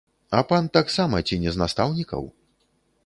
А пан таксама ці не з настаўнікаў?